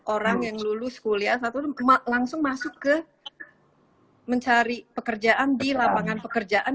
orang yang lulus kuliah satu langsung masuk ke mencari pekerjaan di lapangan pekerjaan